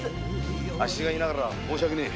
あっしがいながら申し訳ねえ。